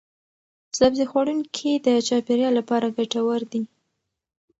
سبزي خوړونکي د چاپیریال لپاره ګټور دي.